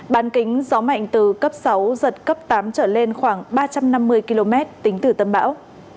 bán kính gió mạnh từ cấp sáu giật cấp tám trở lên khoảng ba trăm năm mươi km tính từ tâm bão